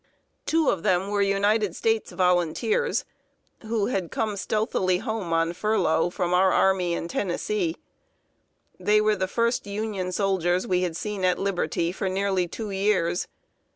Two of them were United States volunteers, who had come stealthily home on furlough, from our army in Tennessee. They were the first Union soldiers we had seen at liberty for nearly two years.